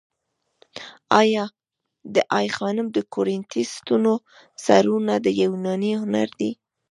د آی خانم د کورینتی ستونو سرونه د یوناني هنر دي